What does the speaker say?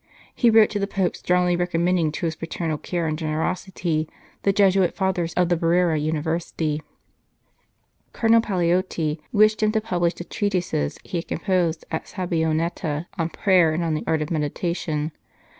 He wrote to the Pope strongly recommending to his paternal care and generosity the Jesuit Fathers of the Brera University. Cardinal Paleotti wished him to publish the treatises he had composed at Sabbionetta on Prayer and on the Art of Meditation.